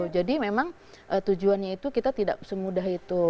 jadi memang tujuannya itu kita tidak semudah itu